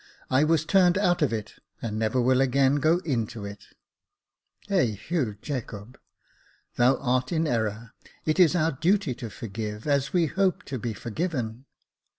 I was turned out of it, and never will again go into it." ^'Eheu! Jacobe, thou art in error j it is our duty to forgive, as we hope to be forgiven."